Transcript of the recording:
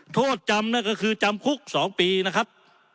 โทษจำนั่นก็คือจำคุก๒ปีนะครับ